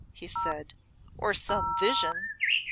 he said, "or some vision!"